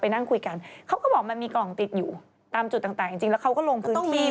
นั่งคุยกันเขาก็บอกมันมีกล่องติดอยู่ตามจุดต่างจริงแล้วเขาก็ลงพื้นที่